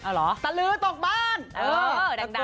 เหรอตะลือตกบ้านเออดัง